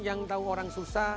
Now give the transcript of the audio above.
yang tahu orang susah